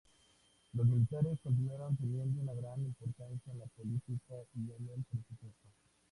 Los militares continuaron teniendo una gran importancia en la política y en el presupuesto...